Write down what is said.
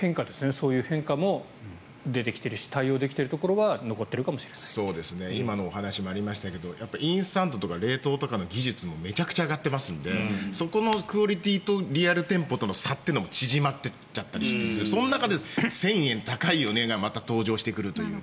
そういう変化も出てきてるし対応できているところは今のお話もありましたがインスタントとか冷凍の技術もめちゃくちゃ上がっていますのでそこのクオリティーとリアル店舗との差というのも縮まっていたりしてその中で１０００円高いよねがまた登場してくるという。